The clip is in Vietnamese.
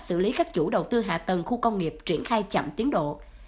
xử lý các chủ đầu tư hạ tầng khu công nghiệp triển khai chậm tiến độ